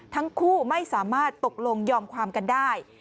ทั้งคู่ไม่สามารถตกลงยอมความกันได้